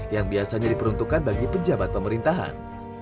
yang biasanya diperuntukkan bagi pejabat pemerintahan